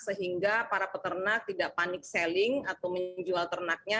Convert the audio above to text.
sehingga para peternak tidak panik selling atau menjual ternaknya